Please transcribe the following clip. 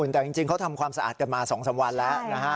แต่จริงเขาทำความสะอาดกันมา๒๓วันแล้วนะฮะ